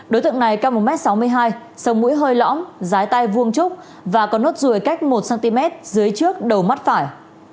đối tượng này cao một m sáu mươi hai sông mũi hơi lõng dái tai vuông trúc và có nốt ruồi cách một cm dưới trước đầu mắt phải